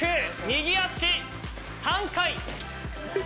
右足３回。